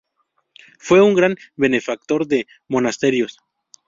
Fue un gran benefactor de monasterios.